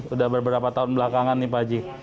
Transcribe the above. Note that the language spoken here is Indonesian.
udah beberapa tahun belakangan nih pak haji